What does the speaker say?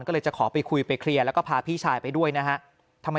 ก็เลยจะขอไปคุยไปเคลียร์แล้วก็พาพี่ชายไปด้วยนะฮะ